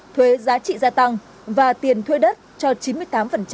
thuế giá trị gia tăng và tiền thuê đất cho chính phủ